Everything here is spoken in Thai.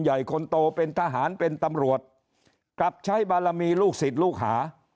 ใหญ่คนโตเป็นทหารเป็นตำรวจกลับใช้บารมีลูกศิษย์ลูกหา